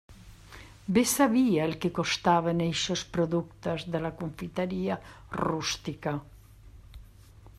Bé sabia el que costaven eixos productes de la confiteria rústica.